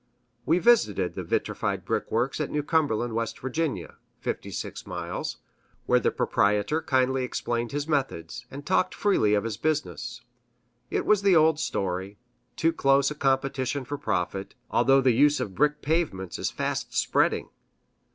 We visited the vitrified brick works at New Cumberland, W. Va. (56 miles), where the proprietor kindly explained his methods, and talked freely of his business. It was the old story, too close a competition for profit, although the use of brick pavements is fast spreading.